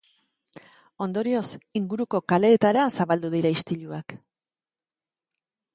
Ondorioz, inguruko kaleetara zabaldu dira istiluak.